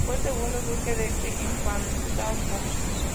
Fue el segundo duque de este infantazgo.